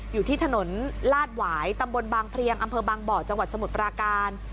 อยู่ที่ถนนลาดหวายตำบลบางเพลียงอำเภอบางบ่อจังหวัดสมุทรปราการ